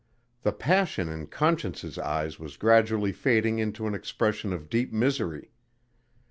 The passion in Conscience's eyes was gradually fading into an expression of deep misery.